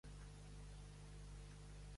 Quan va cessar d'aparèixer?